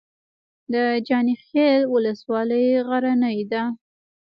د جاني خیل ولسوالۍ غرنۍ ده